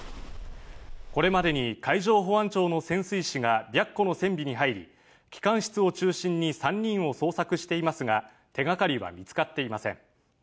これまでに海上保安庁の潜水士が白虎の船尾に入り機関室を中心に３人を捜索していますが手掛かりは見つかっていません。